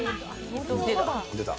出た。